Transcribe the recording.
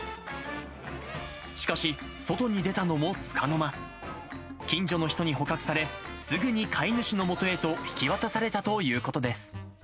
しかし、外に出たのもつかの間、近所の人に捕獲され、すぐに飼い主のもとへと引き渡されたということです。